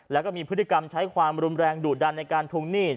แล้วก็มีพฤติกรรมใช้ความรุนแรงดุดันในการทวงหนี้